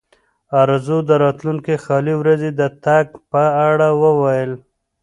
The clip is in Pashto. ارزو د راتلونکې خالي ورځې د تګ په اړه وویل.